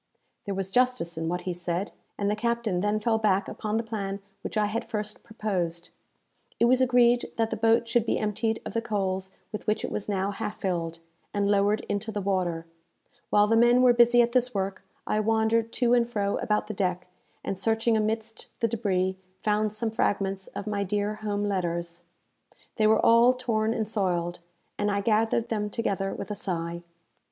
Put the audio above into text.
There was justice in what he said; and the captain then fell back upon the plan which I had first proposed. It was agreed that the boat should be emptied of the coals with which it was now half filled, and lowered into the water. While the men were busy at this work, I wandered to and fro about the deck, and, searching amidst the débris, found some fragments of my dear home letters. They were all torn and soiled, and I gathered them together with a sigh.